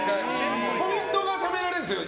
ポイントがためられるんですよ。